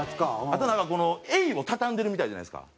あとなんかこのエイを畳んでるみたいじゃないですか。